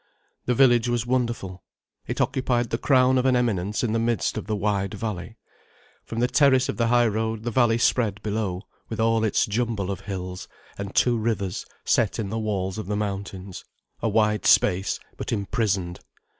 The village was wonderful. It occupied the crown of an eminence in the midst of the wide valley. From the terrace of the high road the valley spread below, with all its jumble of hills, and two rivers, set in the walls of the mountains, a wide space, but imprisoned.